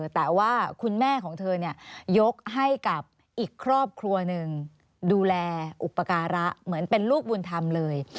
แต่ว่าคุณแม่ของเธอยกให้กับอีกครอบครัวหนึ่งดูแลอุปการะเหมือนเป็นลูกบุญธรรมเลย